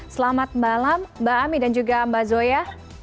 selamat malam mbak ami dan juga mbak zoya